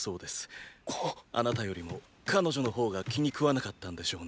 あなたよりも彼女の方が気に喰わなかったんでしょうね